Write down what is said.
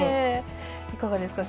いかがですか？